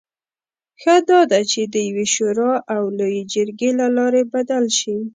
ښه دا ده چې د یوې شورا او لویې جرګې له لارې بدل شي.